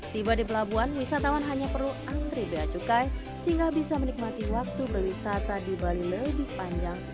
tiba di pelabuhan wisatawan hanya perlu antri bea cukai sehingga bisa menikmati waktu berwisata di bali lebih panjang